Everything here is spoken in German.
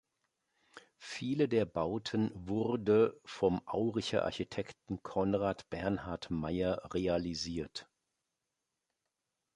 Viele der Bauten wurde vom Auricher Architekten Conrad Bernhard Meyer realisiert.